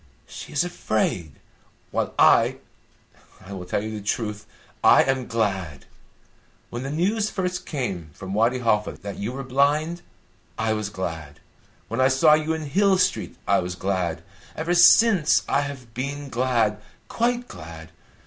She is afraid. While I I will tell you the truth I am glad. When the news first came from Wadi Halfa that you were blind, I was glad; when I saw you in Hill Street, I was glad; ever since, I have been glad quite glad.